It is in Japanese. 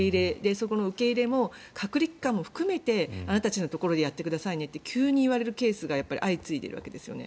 そこの受け入れも隔離期間も含めてあなたたちのところでやってくださいねと急に言われるケースが相次いでいるわけですよね。